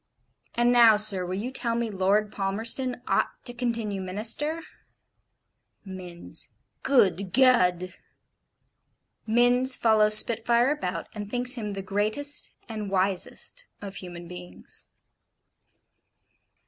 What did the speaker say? And now, sir, will you tell me Lord Palmerston ought to continue Minister?' Minns: 'Good Ged!' Minns follows Spitfire about, and thinks him the greatest and wisest of human beings.